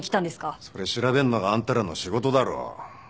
それ調べんのがあんたらの仕事だろ。